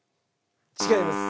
違います。